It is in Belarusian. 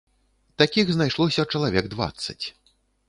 Такіх знайшлося чалавек дваццаць.